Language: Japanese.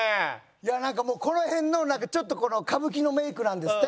いやなんかもうこの辺のちょっとこの歌舞伎のメイクなんですって。